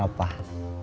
kamu mau jadi demi apa